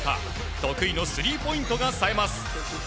得意のスリーポイントがさえます。